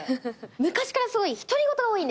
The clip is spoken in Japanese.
昔からすごい独り言が多いんですね。